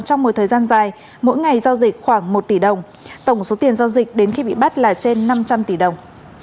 trong một thời gian dài mỗi ngày giao dịch khoảng một tỷ đồng tổng số tiền giao dịch đến khi bị bắt là trên năm trăm linh tỷ đồng